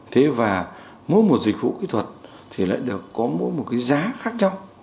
thế và mỗi một dịch vụ kỹ thuật thì lại được có mỗi một cái giá khác nhau